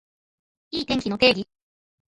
いい天気の定義